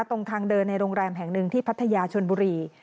ตรงทางเดินในโรงแรมแห่งหนึ่งที่พัทยาชนบุรี